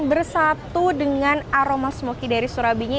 bersatu dengan aroma smoky dari surabinya